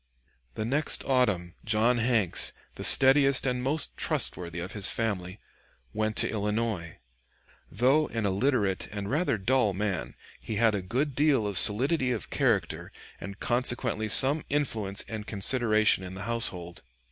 The next autumn, John Hanks, the steadiest and most trustworthy of his family, went to Illinois. Though an illiterate and rather dull man, he had a good deal of solidity of character and consequently some influence and consideration in the household.